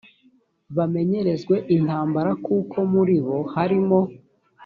bamenyerezwe intambara kuko muri bo harimo